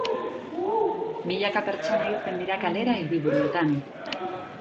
Milaka pertsona irten dira kalera hiriburuetan.